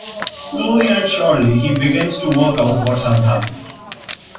Slowly and surely he begins to work out what has happened.